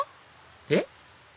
えっ？